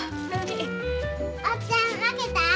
おっちゃん負けた？